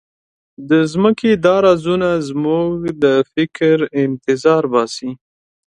د ځمکې دا رازونه زموږ د فکر انتظار باسي.